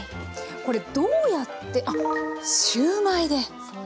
これどうやってあっシューマイで。